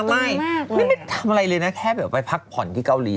ไม่ไม่ทำอะไรเลยนะแค่แบบไปพักผ่อนที่เกาหลี